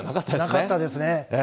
なかったですね。